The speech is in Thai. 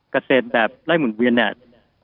เกษตรแบบไล่หุ่นเวียนเนี่ย